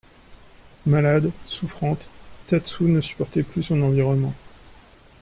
Malade, souffrante, Tatsu ne supportait plus son environnement.